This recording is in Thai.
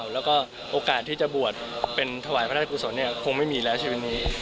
และก็โอกาสที่จะบวชเป็นพระราชกุศจะไม่มีคู่ในชีวิตนี้